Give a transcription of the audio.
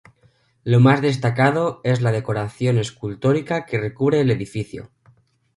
Lo más destacado es la decoración escultórica que recubre el edificio.